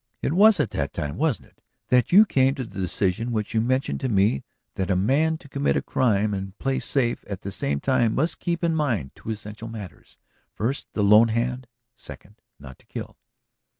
It was at that time, wasn't it, that you came to the decision which you mentioned to me that a man to commit crime and play safe at the same time must keep in mind two essential matters: First, the lone hand; second, not to kill?"